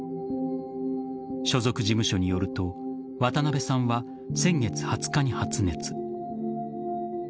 所属事務所によると渡辺さんは先月２０日に発熱。